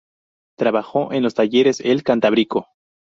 Trabajó en los talleres El Cantábrico.